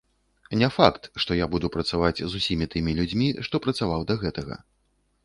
Не факт, што я буду працаваць з усімі тымі людзьмі, што працаваў да гэтага.